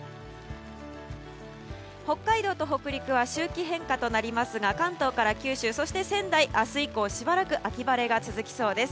北海道と北陸は周期変化となりますが関東から九州、そして仙台明日以降しばらく秋晴れが続きそうです。